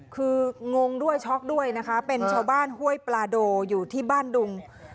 คืองงด้วยช็อกด้วยนะคะเป็นชาวบ้านห้วยปลาโดอยู่ที่บ้านดุง